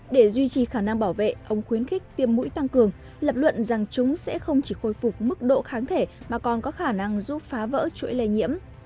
để duy trì khả năng bảo vệ ông khuyến khích tiêm mũi tăng cường lập luận rằng chúng sẽ không chỉ khôi phục mức độ kháng thể mà còn có khả năng giúp phá vỡ chuỗi lây nhiễm